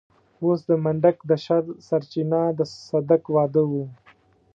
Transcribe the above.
اوس د منډک د شر سرچينه د صدک واده و.